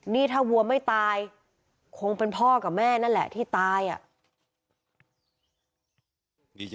นี่ถ้าวัวไม่ตายคงเป็นพ่อกับแม่นั่นแหละที่ตายอ่ะ